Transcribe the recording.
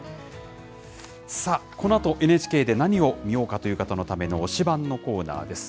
さあ、このあと、ＮＨＫで何を見ようかという方のための推しバン！のコーナーです。